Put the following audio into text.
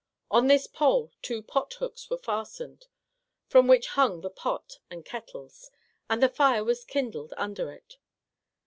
On this pole two pothooks were fas tened, from which hung the pot and kettle, and the fire was kindled under it.